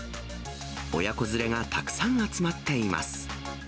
親子連れがたくさん集まっています。